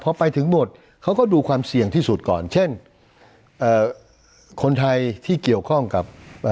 พอไปถึงหมดเขาก็ดูความเสี่ยงที่สุดก่อนเช่นคนไทยที่เกี่ยวข้องกับ